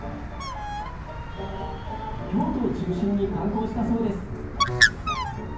京都を中心に観光したそうです